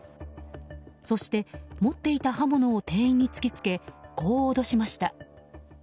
そして持っていた刃物を店員に突き付け、こう脅しました。